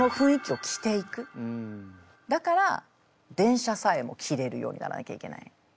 だから電車さえも着れるようにならなきゃいけない。